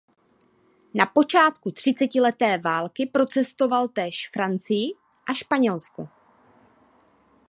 Na počátku třicetileté války procestoval též Francii a Španělsko.